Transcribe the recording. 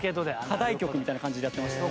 課題曲みたいな感じでやってましたね。